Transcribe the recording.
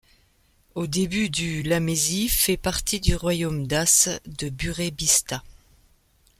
Au début du la Mésie fait partie du royaume dace de Burebista.